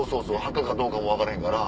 墓かどうかも分からへんから。